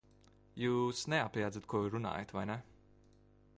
Jūs neapjēdzat, ko runājat, vai ne?